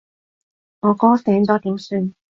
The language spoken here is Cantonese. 我哥醒咗點算？